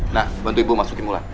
nah bantu ibu masukin mula